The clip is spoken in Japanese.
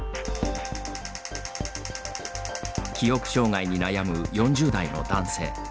記憶障害に悩む、４０代の男性。